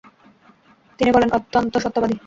তিনি বলেনঃ ‘অত্যন্ত সত্যবাদী’ ।